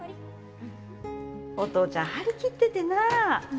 お父ちゃん張り切っててな。